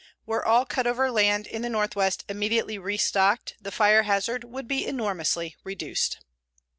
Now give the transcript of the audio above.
Were all cut over land in the Northwest immediately restocked, the fire hazard would be enormously reduced.